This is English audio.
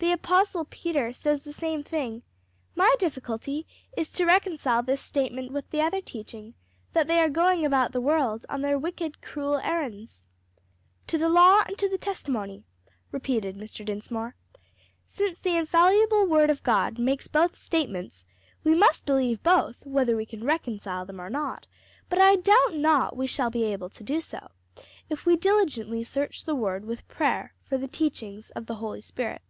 The apostle Peter says the same thing. My difficulty is to reconcile this statement with the other teaching that they are going about the world on their wicked, cruel errands." "To the law and to the testimony," repeated Mr. Dinsmore. "Since the infallible word of God makes both statements, we must believe both, whether we can reconcile them or not; but I doubt not we shall be able to do so if we diligently search the word with prayer for the teachings of the Holy Spirit."